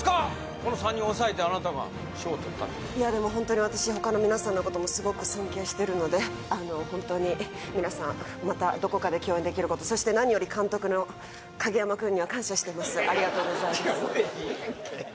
この３人おさえてあなたが賞とったといやでもホントに私他の皆さんのこともすごく尊敬してるのであのホントに皆さんまたどこかで共演できることそして何よりありがとうございます